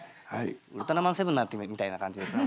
ウルトラマンセブンになってるみたいな感じですね。